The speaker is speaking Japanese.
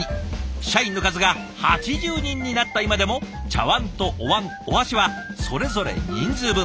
社員の数が８０人になった今でも茶碗とおわんお箸はそれぞれ人数分。